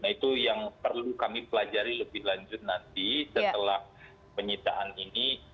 nah itu yang perlu kami pelajari lebih lanjut nanti setelah penyitaan ini